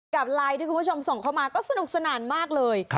กับไลน์ที่คุณผู้ชมส่งเข้ามาก็สนุกสนานมากเลย